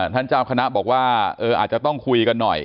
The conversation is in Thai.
เจ้าคณะบอกว่าอาจจะต้องคุยกันหน่อย